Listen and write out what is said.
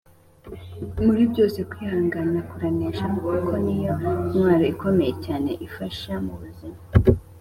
muri byose kwihangana kuranesha kuko niyo ntwaro ikomeye cyane ifasha mubuzima